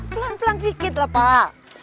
pelan pelan dikit lah pak